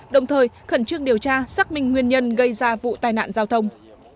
đồng thời khẩn trương điều tra xác minh nguyên nhân gây ra vụ tai nạn giao thông